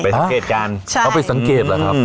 สังเกตการณ์เอาไปสังเกตเหรอครับ